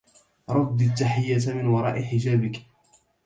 ردي التحية من وراء حجابك